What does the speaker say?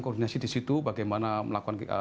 koordinasi di situ bagaimana melakukan